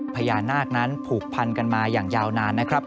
พญานาคนั้นผูกพันกันมาอย่างยาวนานนะครับ